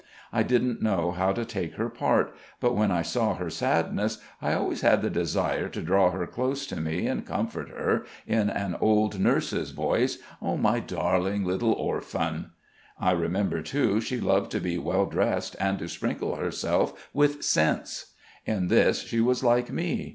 I didn't know how to take her part, but when I saw her sadness, I always had the desire to draw her close to me and comfort her in an old nurse's voice: "My darling little orphan!" I remember too she loved to be well dressed and to sprinkle herself with scents. In this she was like me.